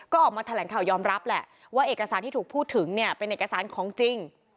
ก็ออกมาแถลงข่าวยอมรับแหละว่าเอกสารที่ถูกพูดถึงเนี่ยเป็นเอกสารของจริง